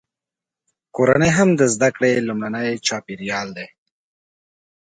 کورنۍ هم د زده کړې لومړنی چاپیریال دی.